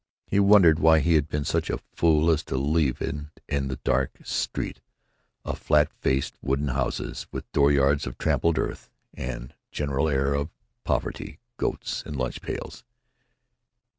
He wondered why he had been such a fool as to leave it in a dark street of flat faced wooden houses with dooryards of trampled earth and a general air of poverty, goats, and lunch pails.